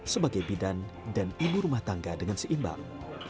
sebagai bidan dan imur rumah tangga dengan seimbang